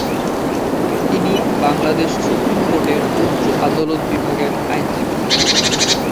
তিনি বাংলাদেশ সুপ্রিম কোর্টের উচ্চ আদালত বিভাগের আইনজীবী।